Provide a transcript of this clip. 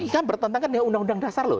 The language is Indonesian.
kan bertentangan dengan undang undang dasar loh